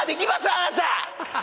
あなた！